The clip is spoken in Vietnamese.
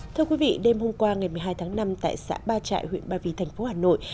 thưa quý vị đêm hôm qua ngày một mươi hai tháng năm tại xã ba trại huyện ba vì thành phố hà nội